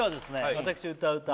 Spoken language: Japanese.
私歌う歌